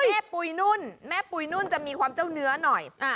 ปุ๋ยนุ่นแม่ปุ๋ยนุ่นจะมีความเจ้าเนื้อหน่อย